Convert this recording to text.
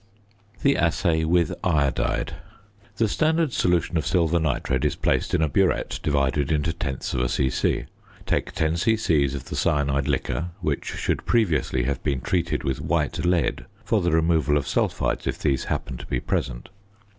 ~The assay with iodide.~ The standard solution of silver nitrate is placed in a burette divided into tenths of a c.c. Take 10 c.c. of the cyanide liquor, which should previously have been treated with white lead for the removal of sulphides if these happened to be present.